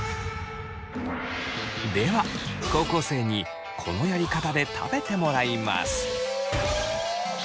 では高校生にこのやり方で食べてもらいます。